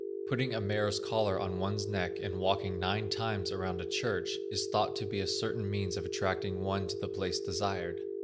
Putting a mare's collar on one's neck and walking nine times around a church is thought to be a certain means of attracting one to the place desired.